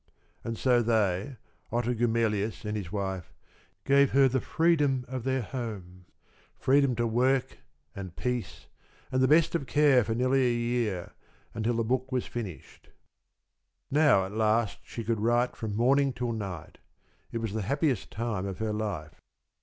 And so they Otto Gumaelius and his wife gave her the freedom of their home freedom to work, and peace, and the best of care for nearly a year, until the book was finished. Now, at last, she could write from morning till night. It was the happiest time of her life.